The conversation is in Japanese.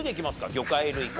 魚介類か。